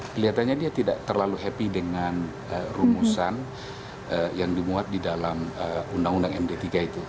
kelihatannya dia tidak terlalu happy dengan rumusan yang dimuat di dalam undang undang md tiga itu